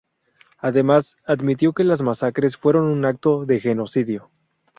Además, admitió que las masacres fueron un acto de genocidio.